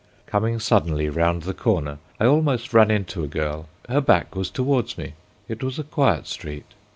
Coming suddenly round the corner I almost ran into a girl. Her back was towards me. It was a quiet street.